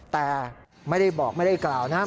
แต่ไม่ได้บอกไม่ได้กล่าวนะครับ